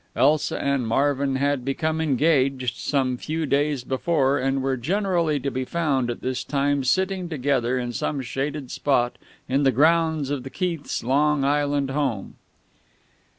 Elsa and Marvin had become engaged some few days before, and were generally to be found at this time sitting together in some shaded spot in the grounds of the Keith's Long Island home.